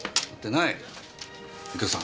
右京さん。